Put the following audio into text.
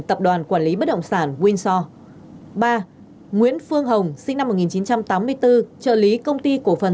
tập đoàn quản lý bất động sản winso ba nguyễn phương hồng sinh năm một nghìn chín trăm tám mươi bốn trợ lý công ty cổ phần